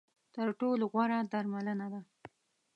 تر ټولو غوره درملنه ده .